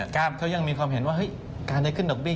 เขายังมีความเห็นว่าการได้ขึ้นดอกเบี้